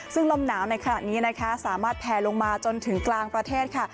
ซึ่งลมหนาวในขณะนี้นะคะสามารถแพลลงมาจนถึงกลางประเทศค่ะ